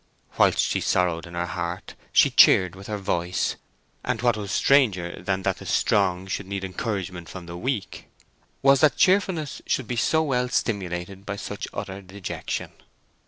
Whilst she sorrowed in her heart she cheered with her voice, and what was stranger than that the strong should need encouragement from the weak was that cheerfulness should be so well stimulated by such utter dejection.